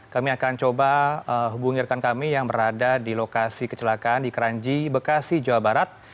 kami akan coba hubungi rekan kami yang berada di lokasi kecelakaan di kranji bekasi jawa barat